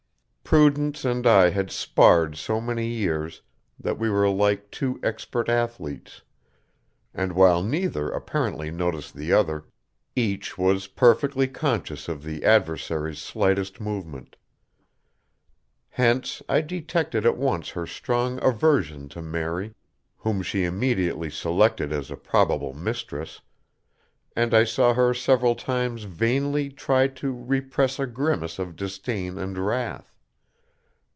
Prudence and I had sparred so many years that we were like two expert athletes, and while neither apparently noticed the other, each was perfectly conscious of the adversary's slightest movement. Hence I detected at once her strong aversion to Mary, whom she immediately selected as a probable mistress, and I saw her several times vainly try to repress a grimace of disdain and wrath.